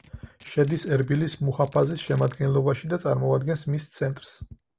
შედის ერბილის მუჰაფაზის შემადგენლობაში და წარმოადგენს მის ცენტრს.